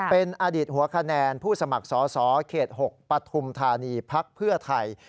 เป็นอดีตหัวคะแนนผู้สมัครสอสอเขต๖ปฐุมธานีพักเพื่อไทย